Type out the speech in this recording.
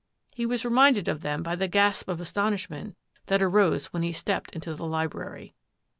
He was reminded of them by the gasp of astonishment that arose when he stepped into the library.